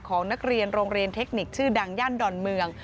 ของนักเรียนโรงเรียนเทคนิคชื่อดังย่านดอนเมือง